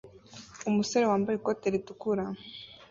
Umusore wambaye ikote ritukura